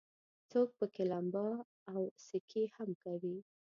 څوک پکې لمبا او سکي هم کوي.